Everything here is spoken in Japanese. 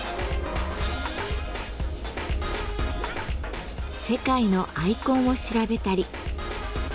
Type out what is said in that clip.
世界のアイコンを調べたり。